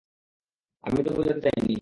আমি তা বোঝাতে চাইনি।